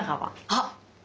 あっ！